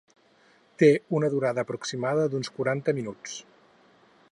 Té una durada aproximada d'uns quaranta minuts.